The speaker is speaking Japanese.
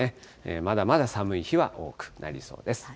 まだまだ寒い日は多くなりそうです。